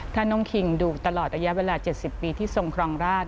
ถ้าน้องคิงดูตลอดระยะเวลา๗๐ปีที่ทรงครองราช